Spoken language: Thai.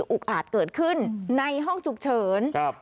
อุกอาจเกิดขึ้นในห้องฉุกเฉินครับ